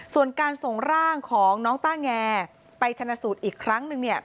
ส่วนการส่งร่างของน้องต้าแงไปชนะสูตรอีกครั้งหนึ่ง